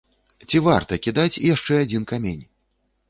Ці варта кідаць яшчэ адзін камень?